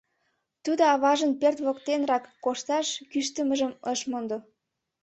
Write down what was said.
Тудо аважын пӧрт воктенрак кошташ кӱштымыжым ыш мондо.